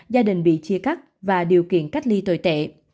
gia đình bị chia cắt và điều kiện cách ly tồi tệ